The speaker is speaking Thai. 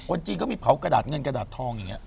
จีนก็มีเผากระดาษเงินกระดาษทองอย่างนี้